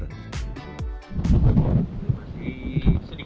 masih sedikit lagi